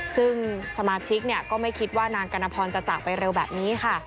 ซึ่งสมาชิกก็ไม่คิดว่านางกัณฑพรจะจากไปเร็วแบบนี้ค่ะ